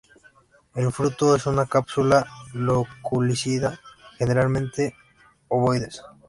El fruto es una cápsula loculicida, generalmente ovoides.